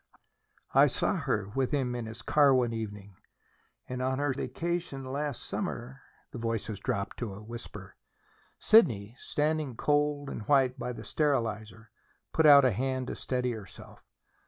"I saw her with him in his car one evening. And on her vacation last summer " The voices dropped to a whisper. Sidney, standing cold and white by the sterilizer, put out a hand to steady herself.